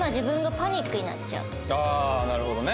ああなるほどね。